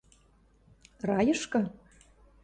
– Райышкы?